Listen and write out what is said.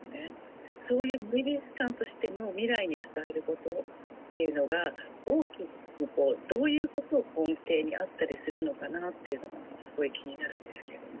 そういう美術館としての未来に伝えることっていうのが大きくどういうことを根底にあったりするのかなっていうのがすごい気になるんですけども。